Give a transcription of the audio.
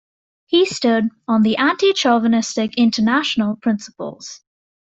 He stood on the anti-chauvinistic international principles.